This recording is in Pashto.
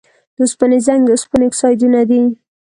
د اوسپنې زنګ د اوسپنې اکسایدونه دي.